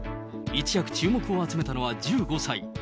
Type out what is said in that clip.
一躍注目を集めたのは１５歳。